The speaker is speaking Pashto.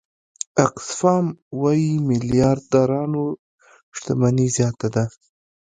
آکسفام وايي میلیاردرانو شتمني زیاته ده.